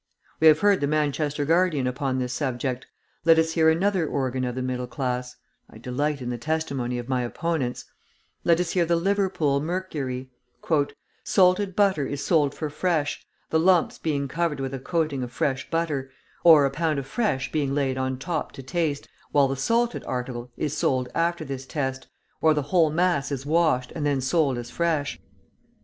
We have heard the Manchester Guardian upon this subject, let us hear another organ of the middle class I delight in the testimony of my opponents let us hear the Liverpool Mercury: "Salted butter is sold for fresh, the lumps being covered with a coating of fresh butter, or a pound of fresh being laid on top to taste, while the salted article is sold after this test, or the whole mass is washed and then sold as fresh.